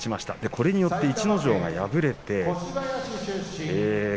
これによって逸ノ城、敗れました。